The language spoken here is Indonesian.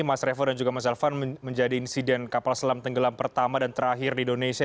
mas revo dan juga mas elvan menjadi insiden kapal selam tenggelam pertama dan terakhir di indonesia